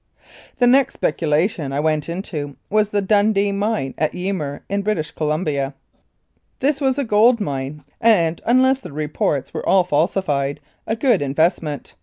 The next speculation I went into was the Dundee Mine at Ymir, in British Columbia. This was a gold mine, and, unless the reports were all falsified, a good investment.